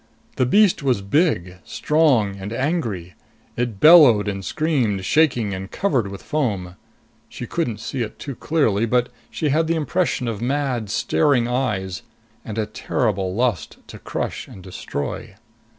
The beast was big, strong and angry. It bellowed and screamed, shaking and covered with foam. She couldn't see it too clearly, but she had the impression of mad, staring eyes and a terrible lust to crush and destroy.